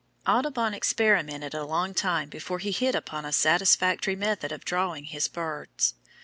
Audubon experimented a long time before he hit upon a satisfactory method of drawing his birds.